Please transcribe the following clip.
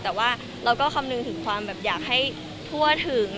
แต่ว่าเราก็คำนึงถึงความแบบอยากให้ทั่วถึง